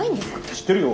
知ってるよ。